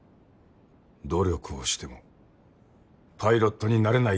努力をしてもパイロットになれない学生はいる。